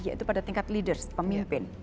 yaitu pada tingkat leaders pemimpin